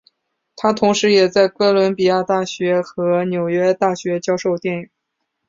他同时也在哥伦比亚大学与纽约大学教授电影。